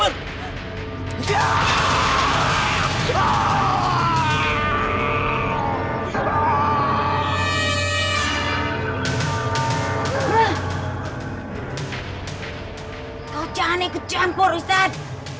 kau jangan kejam purwisat